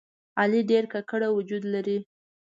علي ډېر ګګړه وجود لري.